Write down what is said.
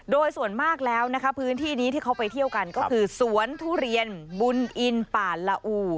โดยส่วนมากแล้วนะคะพื้นที่นี้ที่เขาไปเที่ยวกันก็คือสวนทุเรียนบุญอินป่านละอู่